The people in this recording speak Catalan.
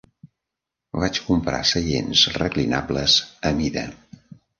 Vaig comprar seients reclinables a mida.